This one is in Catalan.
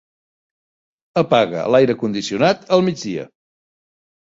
Apaga l'aire condicionat al migdia.